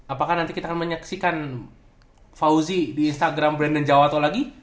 apakah nanti kita akan menyaksikan fauzi di instagram brandon jawato lagi